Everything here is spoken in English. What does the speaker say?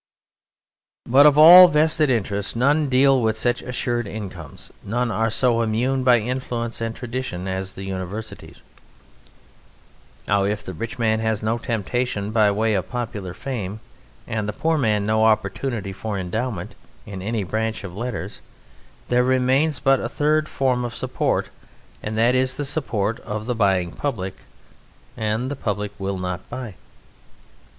But of all vested interests none deal with such assured incomes, none are so immune by influence and tradition as the Universities. Now, if the rich man has no temptation by way of popular fame, and the poor man no opportunity for endowment, in any branch of letters, there remains but a third form of support, and that is the support of the buying public. And the public will not buy.